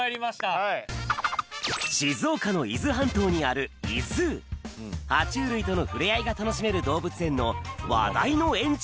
はい静岡の伊豆半島にあるは虫類とのふれあいが楽しめる動物園の話題の園長？